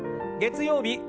月曜日